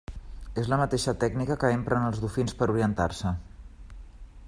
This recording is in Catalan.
És la mateixa tècnica que empren els dofins per orientar-se.